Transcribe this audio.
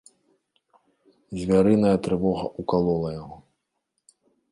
Звярыная трывога ўкалола яго.